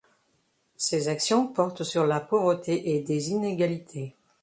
Ses actions portent sur la pauvreté et des inégalités.